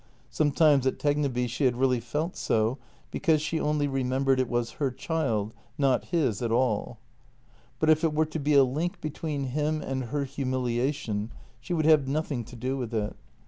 Sometimes at Tegneby she had really felt so, because she only remembered it was her child — not his at all. But if it were to be a link JENNY 236 between him and her humiliation she would have nothing to do with it.